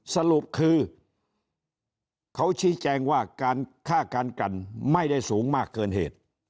สรุปคือเขาชี้แจงว่าการฆ่าการกันไม่ได้สูงมากเกินเหตุ